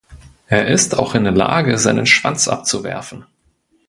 Er ist auch in der Lage, seinen Schwanz abzuwerfen.